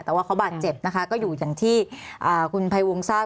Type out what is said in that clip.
แต่ว่าเขาบาดเจ็บนะคะก็อยู่อย่างที่คุณภัยวงทราบ